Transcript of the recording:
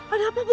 ada apa bu